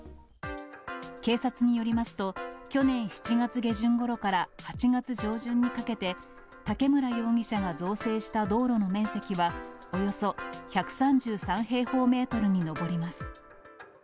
警察によりますと、去年７月下旬ごろから８月上旬にかけて、竹村容疑者が造成した道路の面積は、およそ１３３平方メートルに上ります。